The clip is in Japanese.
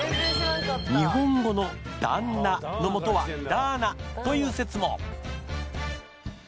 日本語の「旦那」のモトは「ダーナ」という説も。